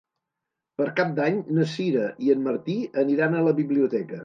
Per Cap d'Any na Sira i en Martí aniran a la biblioteca.